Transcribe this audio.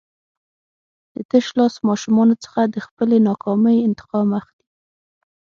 د تشلاس ماشومانو څخه د خپلې ناکامۍ انتقام اخلي.